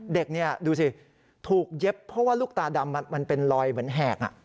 เด็กนี่ดูสิถูกเย็บเพราะว่าลูกตาดำมันเป็นรอยเหมือนแหก